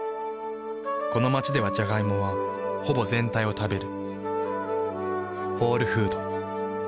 この街ではジャガイモはほぼ全体を食べる。